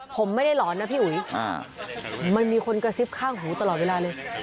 ผมไม่ได้ร้อนนะพี่อุ๋ยอ่า